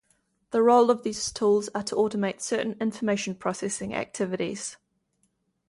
The role of these tools are to automate certain information-processing activities.